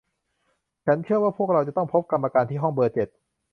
ฉันเชื่อว่าพวกเราจะต้องพบกรรมการที่ห้องเบอร์เจ็ด